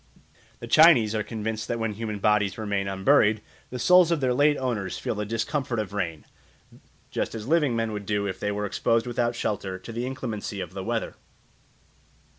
The Chinese are convinced that when human bodies remain unburied, the souls of their late owners feel the discomfort of rain, just as living men would do if they were exposed without shelter to the inclemency of the weather.